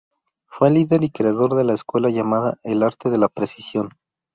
Fue líder y creador de la escuela llamada "El arte de la precisión".